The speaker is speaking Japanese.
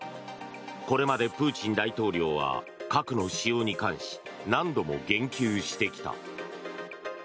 これまでプーチン大統領は核の使用に関し何度も言及してきた。